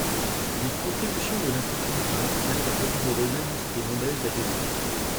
Les contributions de l’Institut du pin servent à revigorer l’industrie landaise des résines.